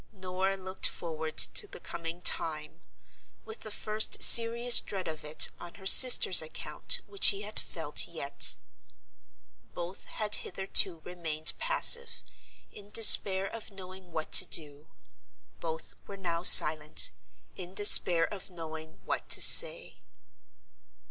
Norah looked forward to the coming time, with the first serious dread of it on her sister's account which she had felt yet. Both had hitherto remained passive, in despair of knowing what to do. Both were now silent, in despair of knowing what to say.